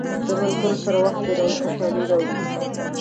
د ملګرو سره وخت تېرول خوشحالي راوړي.